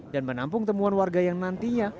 dan menampung temuan warga yang nantinya